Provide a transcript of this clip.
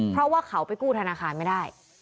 เพราะว่าเขาไปกู้ธนาคารไม่ได้